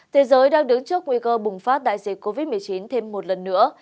thế giới đang đứng trước nguy cơ bùng phát đại dịch covid một mươi chín thêm một lần nữa